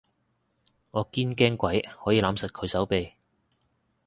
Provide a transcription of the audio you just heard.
我堅驚鬼可以攬實佢手臂